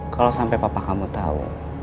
kalau sampai papa kamu tahu